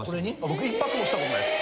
僕１泊もした事ないです